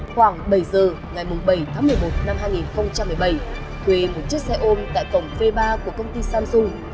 khoảng bảy giờ ngày bảy tháng một mươi một năm hai nghìn một mươi bảy thuê một chiếc xe ôm tại cổng v ba của công ty samsung